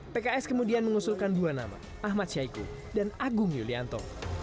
pks kemudian mengusulkan dua nama ahmad syaiqo dan agung yulianto